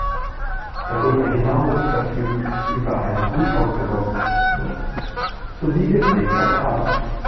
Darüber hinaus verfügt es über ein gut ausgebautes Kino sowie gepflegter Parks.